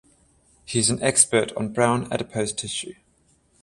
He is an expert on brown adipose tissue.